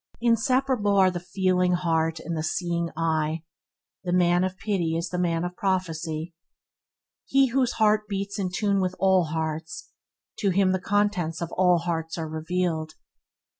Inseparable are the feeling heart and the seeing eye. The man of pity is the man of prophecy. He whose heart beats in tune with all hearts, to him the contents of all hearts are revealed.